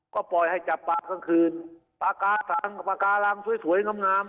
ก็ปล่อยให้จับปลาคล้างคืนปลาการางสวยงาม